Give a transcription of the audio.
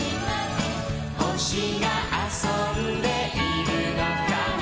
「ほしがあそんでいるのかな」